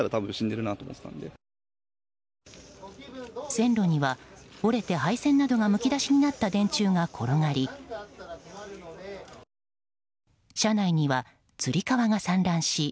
線路には、折れて配線などがむき出しになった電柱が転がり車内にはつり革が散乱し